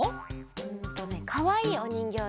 うんとねかわいいおにんぎょうで。